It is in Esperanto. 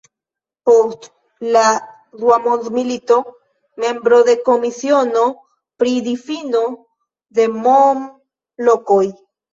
Post la dua mondmilito membro de Komisiono pri Difino de Nom-Lokoj.